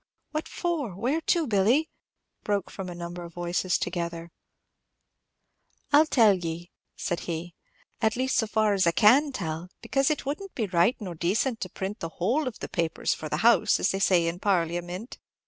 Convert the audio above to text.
"What for? Where to, Billy?" broke from a number of voices together. "I 'll tell ye," said he, "at least so far as I can tell; because it would n't be right nor decent to 'print the whole of the papers for the house,' as they say in parliamint.